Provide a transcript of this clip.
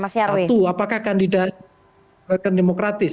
satu apakah kandidasi rekan demokratis